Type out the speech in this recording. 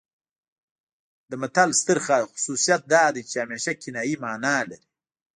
د متل ستر خصوصیت دا دی چې همیشه کنايي مانا لري